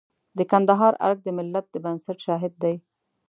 د کندهار ارګ د ملت د بنسټ شاهد دی.